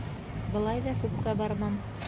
Былай ҙа күпкә бармам.